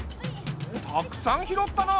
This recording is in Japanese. たくさん拾ったな。